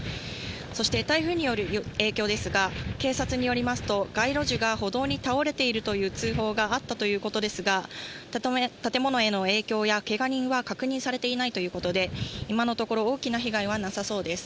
そして、台風による影響ですが、警察によりますと、街路樹が歩道に倒れているという通報があったということですが、建物への影響やけが人は確認されていないということで、今のところ、大きな被害はなさそうです。